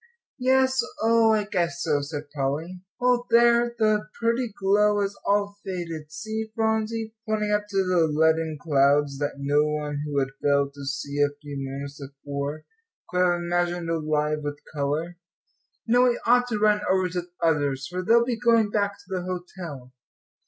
"Yes, oh, I guess so," said Polly. "Well, there, the pretty glow has all faded; see, Phronsie," pointing up to the leaden clouds that no one who had failed to see a few moments before could have imagined alive with colour. "Now we ought to run over to the others, for they'll be going back to the hotel."